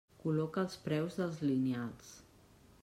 Col·loca els preus dels lineals.